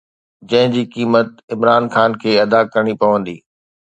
جنهن جي قيمت عمران خان کي ادا ڪرڻي پوندي